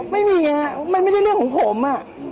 ไม่มีอะมันไม่ได้เรื่องของผมอะ